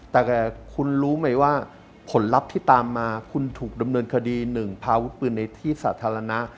แต่คุณรู้ไหมว่าผลลัพธ์ที่ตามมาคุณถูกดำเนินคดี๑พาวุฒิปืนในที่สาธารณะ